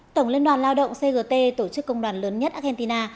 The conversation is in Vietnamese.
tổng liên đoàn lao động cgt tổ chức công đoàn lớn nhất argentina